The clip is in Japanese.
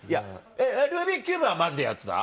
ルービックキューブはマジでやってた？